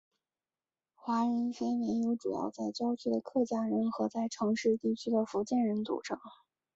华人分为由主要在郊区的客家人和在城市地区的福建人组成。